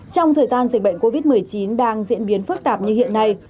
trong thời gian dịch bệnh covid một mươi chín đang diễn biến phức tạp như hiện nay